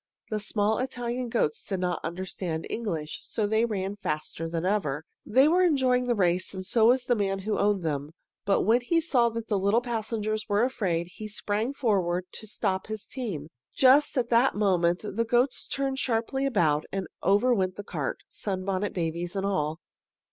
The small Italian goats did not understand English, so they ran faster than ever. They were enjoying the race, and so was the man who owned them. But when he saw that his little passengers were afraid, he sprang forward to stop his team. Just at that moment the goats turned sharply about, and over went the cart, Sunbonnet Babies and all.